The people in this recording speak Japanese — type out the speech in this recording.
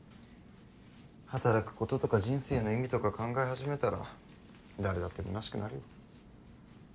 働くこととか人生の意味とか考え始めたら誰だってむなしくなるよ。